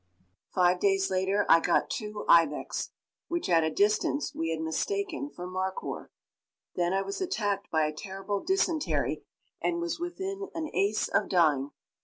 Five days later I got two ibex, which at a distance we had mistaken for markhoor. Then I was attacked by a terrible dysentery and was within an ace of dying.